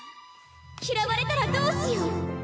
嫌われたらどうしよう。